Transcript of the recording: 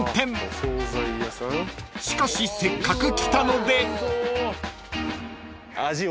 ［しかしせっかく来たので］